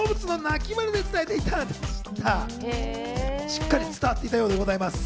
しっかり伝わっていたようでございます。